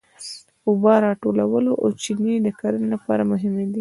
اوبه راټولول او چینې د کرنې لپاره مهمې وې.